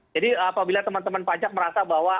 jadi apabila teman teman pajak merasa berdampak